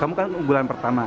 kamu kan keunggulan pertama